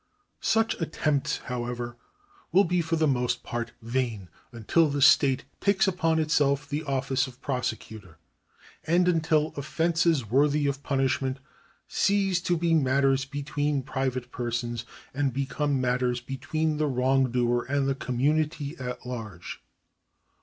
^ Such attempts, how ever, will be for the most part vain, until the state takes upon itself the office of prosecutor, and until offences worthy of punishment cease to be matters between private persons, and become matters between the wrongdoer and the community at large.